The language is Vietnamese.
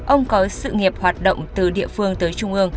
ông có sự nghiệp hoạt động từ địa phương tới trung ương